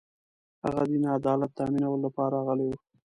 هغه دین عدالت تأمینولو لپاره راغلی و